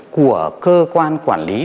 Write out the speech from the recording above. của cơ quan quản lý